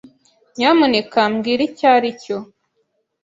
Nyamuneka mbwira icyo aricyo.